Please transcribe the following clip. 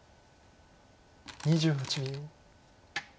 ２８秒。